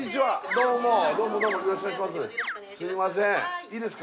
どうもどうもよろしくお願いします